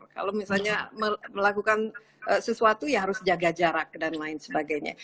kalau misalnya melakukan sesuatu ya harus jaga jarak dan lain sebagainya